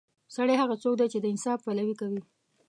سړی هغه څوک دی چې د انصاف پلوي کوي.